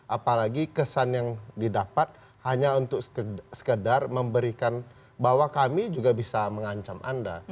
apalagi kesan yang didapat hanya untuk sekedar memberikan bahwa kami juga bisa mengancam anda